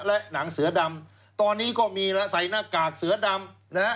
และหนังเสือดำตอนนี้ก็มีแล้วใส่หน้ากากเสือดำนะฮะ